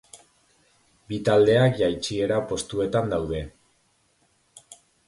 Bi taldeak jaitsiera postuetan daude.